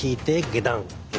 下段。